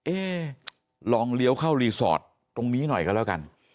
เอ๊ะลองเลี้ยวเข้ารีสอร์ทตรงนี้หน่อยก็แล้วกัน